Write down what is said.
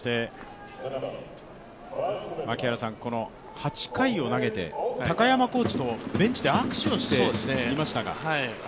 ８回を投げて、高山コーチとベンチで握手をしていましたが。